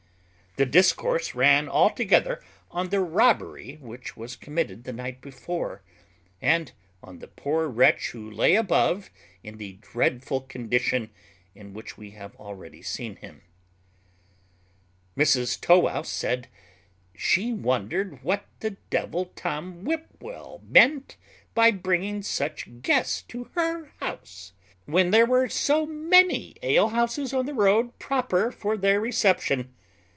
The discourse ran altogether on the robbery which was committed the night before, and on the poor wretch who lay above in the dreadful condition in which we have already seen him. Mrs Tow wouse said, "She wondered what the devil Tom Whipwell meant by bringing such guests to her house, when there were so many alehouses on the road proper for their reception.